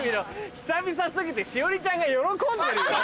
久々過ぎて栞里ちゃんが喜んでるよ。